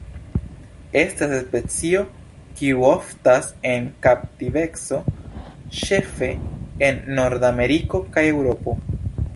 Estas specio kiu oftas en kaptiveco ĉefe en Nordameriko kaj Eŭropo.